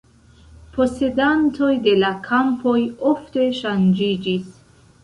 Posedantoj de la kampoj ofte ŝanĝiĝis.